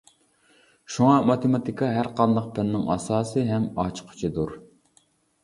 شۇڭا ماتېماتىكا ھەرقانداق پەننىڭ ئاساسى ھەم ئاچقۇچىدۇر.